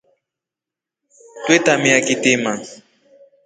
Twe tamia kitima.